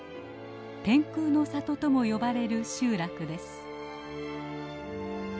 天空の里とも呼ばれる集落です。